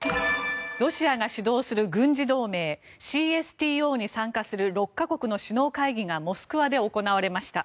ロシアが主導する軍事同盟ＣＳＴＯに参加する６か国の首脳会議がモスクワで行われました。